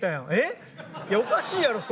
いやおかしいやろそんなん！